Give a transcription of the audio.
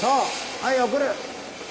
はい送る。